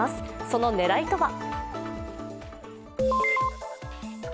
その狙いとは？